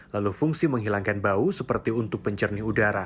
lalu fungsi menghilangkan bau seperti untuk pencernih udara